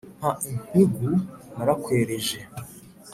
Mpa impigu narakwereje